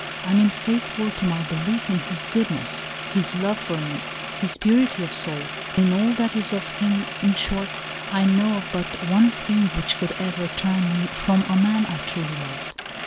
I mean faithful to my belief in his goodness, his love for me, his purity of soul, in all that is of him — in short, I know of but one thing which could ever turn me from a man I truly loved.